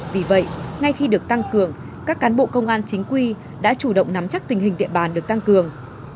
vì vậy ngay khi được tăng cường các cán bộ công an chính quy đã chủ động nắm chắc tình hình địa bàn được tăng cường